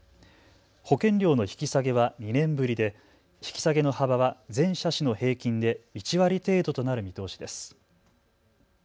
保険料の引き下げは２年ぶりで引き下げの幅は全車種の平均で１割程度となる見通しです。